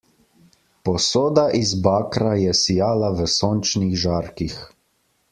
Posoda iz bakra je sijala v sončnih žarkih.